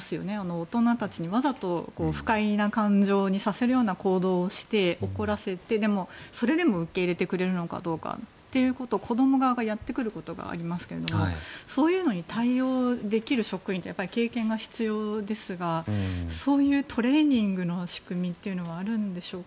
大人たちにわざと不快な感情にさせるような行動をして怒らせて、それでも受け入れてくれるかどうか子供側がやってくることがありますけれどもそういうのに対応できる職員って経験が必要ですがそういうトレーニングの仕組みはありますか？